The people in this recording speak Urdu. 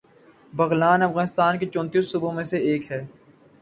بغلان افغانستان کے چونتیس صوبوں میں سے ایک ہے